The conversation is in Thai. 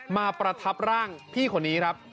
ประทับร่างพี่คนนี้ครับ